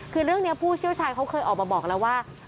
คือเรื่องนี้ผู้เชี่ยวชาญเขาเคยออกมาบอกแล้วว่า